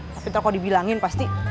tapi tau kok dibilangin pasti